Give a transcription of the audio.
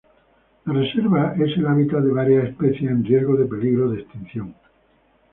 La reserva es el hábitat de varias especies en riesgo de peligro de extinción.